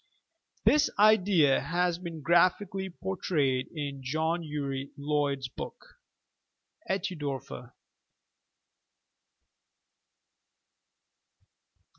(This idea has been graphically portrayed in John Uri Lloyd's book, "Etidorhpa.")